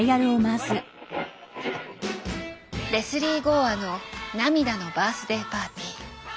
レスリー・ゴーアの「涙のバースデイ・パーティ」。